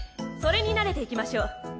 それに慣れていきましょう。